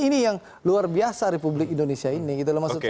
ini yang luar biasa republik indonesia ini